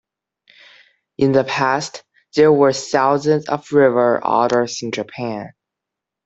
In the past, there were thousands of river otters in Japan.